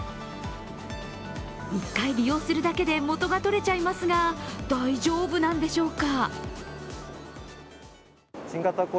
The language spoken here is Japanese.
１回利用するだけで元が取れちゃいますが、大丈夫なんでしょうか？